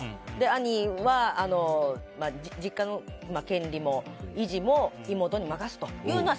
兄は実家の権利も維持も妹に任すというのは